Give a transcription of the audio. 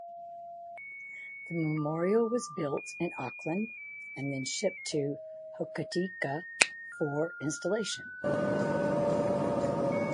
The memorial was built in Auckland and then shipped to Hokitika for installation.